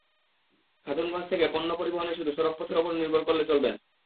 খাতুনগঞ্জ থেকে পণ্য পরিবহনে শুধু সড়কপথের ওপর নির্ভর করলে চলবে না।